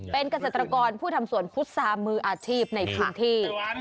เป็นเกษตรกรผู้ทำสวนพุษามืออาชีพในพื้นที่